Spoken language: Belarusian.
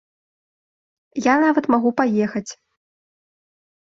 Я нават магу паехаць.